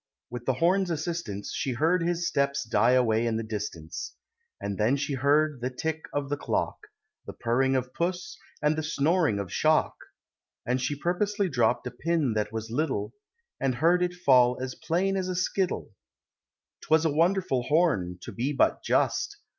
With the horn's assistance, She heard his steps die away in the distance; And then she heard the tick of the clock, The purring of puss, and the snoring of Shock; And she purposely dropped a pin that was little, And heard it fall as plain as a skittle! 'Twas a wonderful Horn, to be but just!